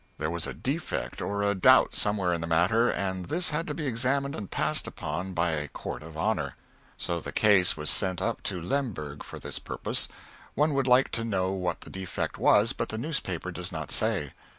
There was a defect or a doubt somewhere in the matter, and this had to be examined and passed upon by a Court of Honor. So the case was sent up to Lemberg for this purpose. One would like to know what the defect was, but the newspaper does not say.